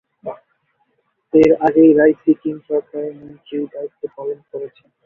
এর আগে রাই সিকিম সরকারের মন্ত্রীর দায়িত্ব পালন করেছেন।